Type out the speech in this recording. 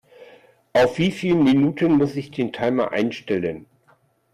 Auf wie viel Minuten muss ich den Timer einstellen?